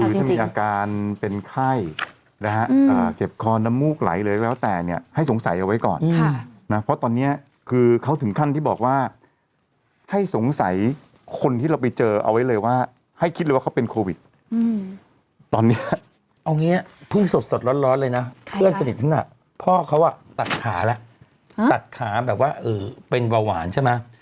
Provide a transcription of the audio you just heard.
ตะขาเป็นวาวหวานใช่ไหม